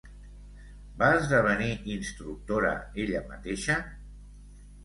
Va esdevenir instructora ella mateixa?